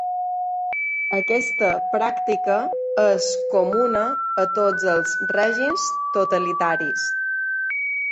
Aquesta pràctica és comuna a tots els règims totalitaris.